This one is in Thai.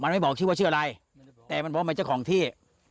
มันไม่บอกชื่อว่าชื่ออะไรแต่มันบอกว่าเป็นเจ้าของที่